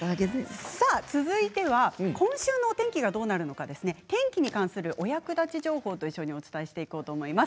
続いては今週のお天気がどうなるのか天気に関するお役立ち情報と一緒にお伝えしていこうと思います。